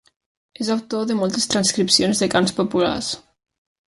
És autor de moltes transcripcions de cants populars.